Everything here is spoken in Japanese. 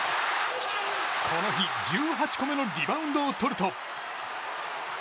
この日、１８個目のリバウンドをとると。